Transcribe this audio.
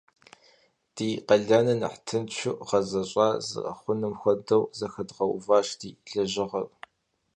Ди къалэныр нэхъ тыншу гъэзэщӏа зэрыхъуным хуэдэу зэхэдгъэуващ ди лэжьыгъэр.